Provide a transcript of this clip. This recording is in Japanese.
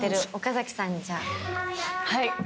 はい。